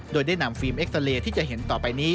โดยได้นำฟิล์มเอ็กซาเลที่จะเห็นต่อไปนี้